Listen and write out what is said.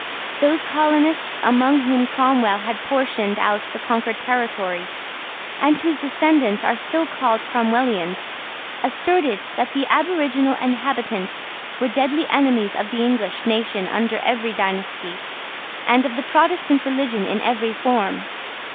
Those colonists among whom Cromwell had portioned out the conquered territory, and whose descendants are still called Cromwellians, asserted that the aboriginal inhabitants were deadly enemies of the English nation under every dynasty, and of the Protestant religion in every form.